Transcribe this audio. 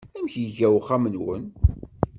Amek iga uxxam-nwen?